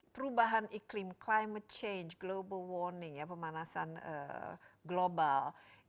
perubahan iklim climate change global warming pemanasan global